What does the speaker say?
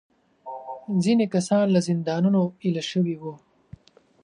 ځینې کسان له زندانونو ایله شوي وو.